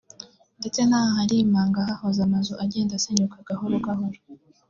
ndetse n’aha hari imanga hahoze amazu agenda asenyuka gahoro gahoro